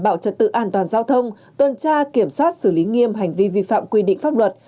bảo trật tự an toàn giao thông tuần tra kiểm soát xử lý nghiêm hành vi vi phạm quy định pháp luật